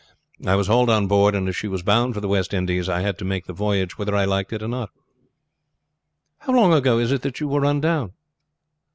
I was hauled on board, and as she was bound for the West Indies I had to make the voyage whether I liked it or not." "How long ago is it that you were run down?"